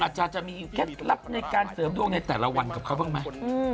อาจารย์จะมีเคล็ดลับในการเสริมดวงในแต่ละวันกับเขาบ้างไหม